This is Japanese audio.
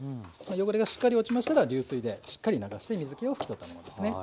汚れがしっかり落ちましたら流水でしっかり流して水けを拭き取ったものですね。